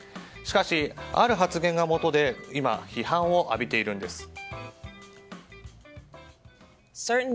しかし、ある発言がもとで今、批判を浴びているんです。